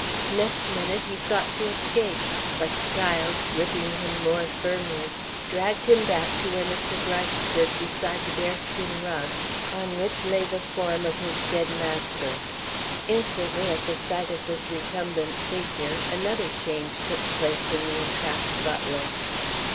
Next minute he sought to escape, but Styles, gripping him more firmly, dragged him back to where Mr. Gryce stood beside the bearskin rug on which lay the form of his dead master. Instantly, at the sight of this recumbent figure, another change took place in the entrapped butler.